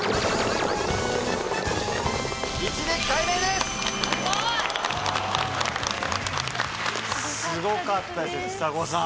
すごい！すごかったですねちさ子さん。